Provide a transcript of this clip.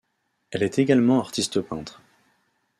Elle est également artiste peintre.